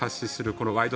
この「ワイド！